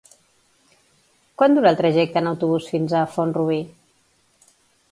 Quant dura el trajecte en autobús fins a Font-rubí?